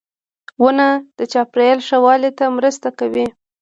• ونه د چاپېریال ښه والي ته مرسته کوي.